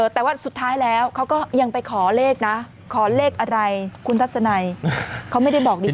แต่ว่าสุดท้ายแล้วเขาก็ยังไปขอเลขนะขอเลขอะไรคุณทัศนัยเขาไม่ได้บอกดิฉัน